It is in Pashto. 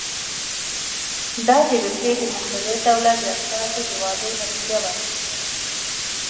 دا د روسیې د مقتدر دولت د استازو د وعدو نتیجه وه.